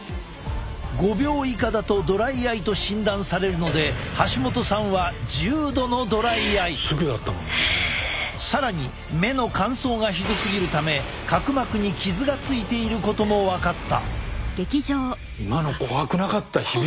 ５秒以下だとドライアイと診断されるので橋本さんは更に目の乾燥がひどすぎるため角膜に傷がついていることも分かった。